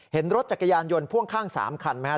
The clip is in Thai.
เห็นรถจักรยานยนต์พ่วงข้าง๓คันไหมครับ